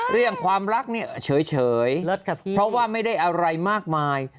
เรื่องความรักเนี่ยเฉยเพราะว่าไม่ได้อะไรมากมาย